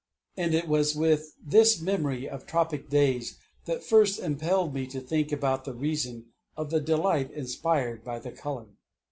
And it was this memory of tropic days that first impelled me to think about the reason of the delight inspired by the color.